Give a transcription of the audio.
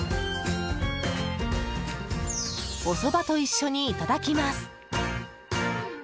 おそばと一緒にいただきます。